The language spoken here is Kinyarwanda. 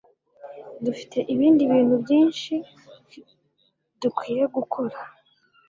Dufite ibindi bintu byinshi dukwiye gukora.